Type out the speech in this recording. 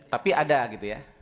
tapi ada gitu ya